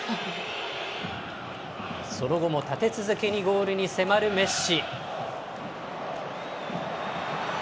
その後も立て続けにゴールに迫るメッシ。